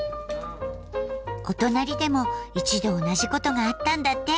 お隣でも一度同じことがあったんだって。